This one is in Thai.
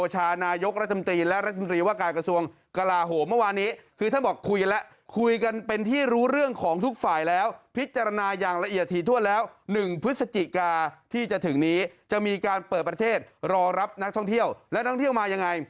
จะถึงนี้จะมีการเปิดประเทศรอรับนักท่องเที่ยวและนักท่องเที่ยวมายังไง